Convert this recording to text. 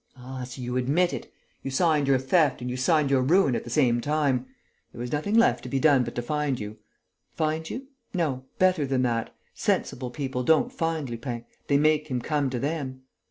"Ah, so you admit it! You signed your theft and you signed your ruin at the same time. There was nothing left to be done but to find you. Find you? No, better than that. Sensible people don't find Lupin: they make him come to them!